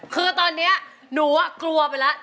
คือตอนนี้หนูกลัวไปแล้ว